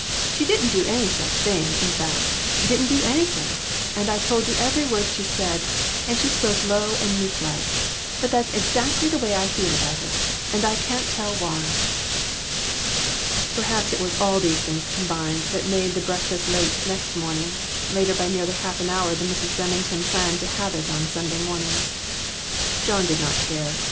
She didn't do any such thing ; in fact, didn't do anything, and I've told you every word she said, and she spoke low and meek like, but that's exactly the way I feel about it, and I can't tell why." Perhaps it was all these things combined that made the breakfast late next morning later by nearly half an hour than Mrs. Remington planned to have it on Sunday mornings. John did not care.